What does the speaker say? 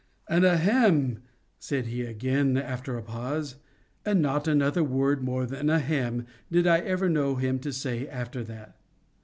And "ahem!" said he again, after a pause; and not another word more than "ahem!" did I ever know him to say after that.